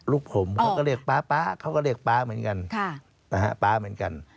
ลูกผมเขาก็เรียกป๊าเขาก็เรียกป๊าเหมือนกัน